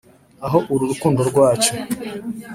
aho uru rukundo rwacu